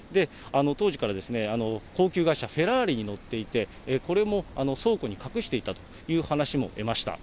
当時から高級外車、フェラーリに乗っていて、これも倉庫に隠していたという話も得ました。